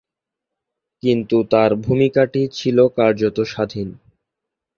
কিন্তু তার ভূমিকাটি ছিল কার্যত স্বাধীন।